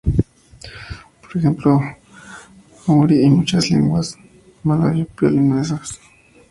Por ejemplo, el maorí y muchas lenguas malayo-polinesias.